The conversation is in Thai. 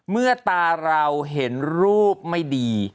เมื่อตาเราเห็นรูปไม่ดี